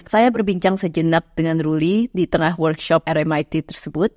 saya berbincang sejenak dengan ruli di tengah workshop rmit tersebut